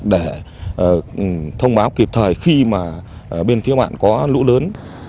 để thông báo kịp thời khi mà bên phía bạn có lũ lớn